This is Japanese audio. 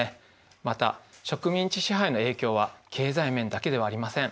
また植民地支配の影響は経済面だけではありません。